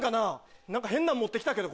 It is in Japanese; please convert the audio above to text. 変なん持って来たけど。